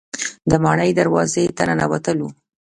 د ماڼۍ دروازې ته ننوتلو.